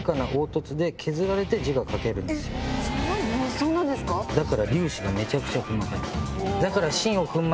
そうなんですか？